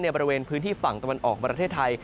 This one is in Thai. บริเวณพื้นที่ฝั่งตะวันออกประเทศไทย